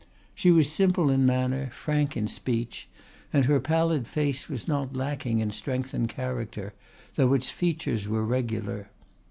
She was simple in manner, frank in speech, and her pallid face was not lacking in strength and character, though its features were regular.